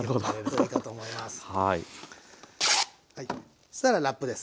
そしたらラップです。